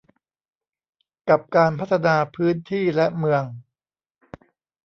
กับการพัฒนาพื้นที่และเมือง